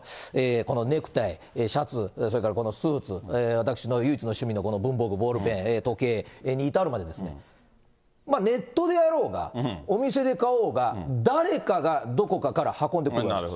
このネクタイ、シャツ、それからこのスーツ、私の唯一の趣味のこの文房具、ボールペン、時計に至るまで、ネットであろうが、お店で買おうが、誰かがどこかから運んでくるわけです。